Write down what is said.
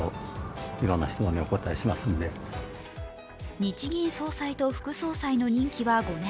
日銀総裁と副総裁の任期は５年。